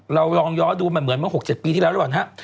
เราลองย้อดูเหมือน๖๗ปีที่แล้วนะครับ